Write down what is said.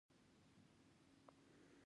د ماشو کښت کله وکړم؟